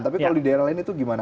tapi kalau di daerah lain itu gimana